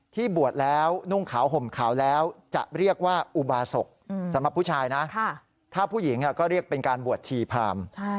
บวชแล้วนุ่งขาวห่มขาวแล้วจะเรียกว่าอุบาศกสำหรับผู้ชายนะถ้าผู้หญิงก็เรียกเป็นการบวชชีพราม